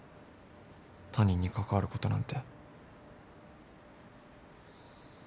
他人に関わることなんて。